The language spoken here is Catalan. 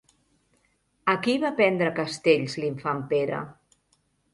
A qui va prendre castells l'infant Pere?